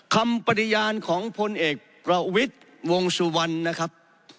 ปฏิญาณของพลเอกประวิทย์วงสุวรรณนะครับ